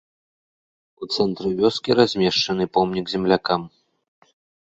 У цэнтры вёскі размешчаны помнік землякам.